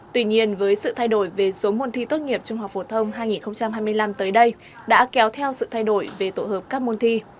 tuy nhiên với sự thay đổi về số môn thi tốt nghiệp trung học phổ thông hai nghìn hai mươi năm tới đây đã kéo theo sự thay đổi về tổ hợp các môn thi